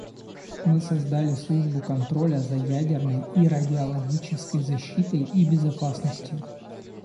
Мы создали службу контроля за ядерной и радиологической защитой и безопасностью.